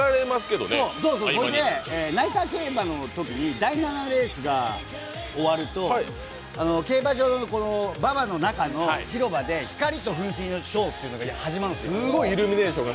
ナイター競馬のときに第７レースが終わると競馬場の馬場の中の広場で光と噴水ショーというのがあるんですよ。